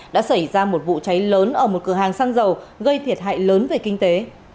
đã xảy ra một vụ cháy lớn ở một cửa hàng xăng dầu gây thiệt hại lớn về kinh tế